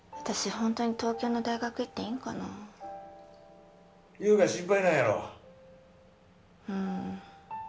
ホントに東京の大学行っていいんかな優が心配なんやろうん